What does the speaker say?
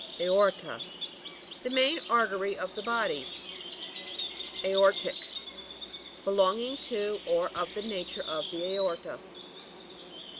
AOR'TA. The main artery of the body. AOR'TIC. Belonging to, 01 of the nature of tiie aorta.